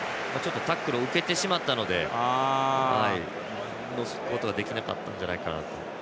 タックルを受けてしまったのでどくことができなかったんだと思います。